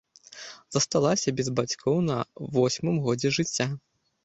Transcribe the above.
Засталася без бацькоў на восьмым годзе жыцця.